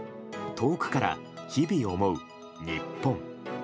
遠くから日々、思う日本。